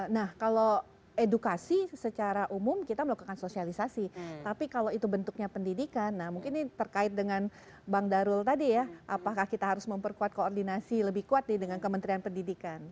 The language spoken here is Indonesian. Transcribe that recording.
nah kalau edukasi secara umum kita melakukan sosialisasi tapi kalau itu bentuknya pendidikan nah mungkin ini terkait dengan bang darul tadi ya apakah kita harus memperkuat koordinasi lebih kuat dengan kementerian pendidikan